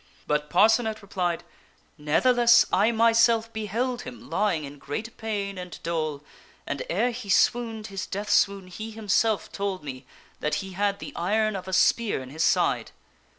But Parcenet replied, " Ne'theless, I myself beheld him lying in great pain and dole, and, ere he swooned his death swoon, he himself told me that he had the iron of a spear in his side."